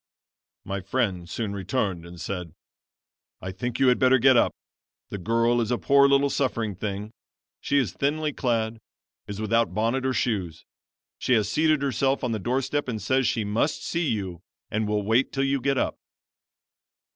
"My friend soon returned and said: "'I think you had better get up. The girl is a poor little suffering thing. She is thinly clad, is without bonnet or shoes. She has seated herself on the doorstep and says she must see you and will wait till you get up.'